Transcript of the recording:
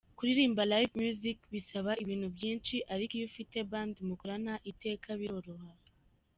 Kuririmba live music bisaba ibintu byinshi ariko iyo ufite Band mukorana iteka, biroroha.